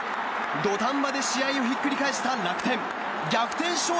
土壇場で試合をひっくり返した楽天。